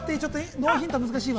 ノーヒント難しいわ。